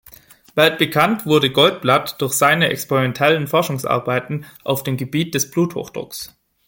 Weltbekannt wurde Goldblatt durch seine experimentellen Forschungsarbeiten auf dem Gebiet des Bluthochdrucks.